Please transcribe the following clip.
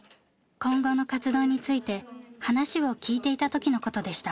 今後の活動について話を聞いていた時のことでした。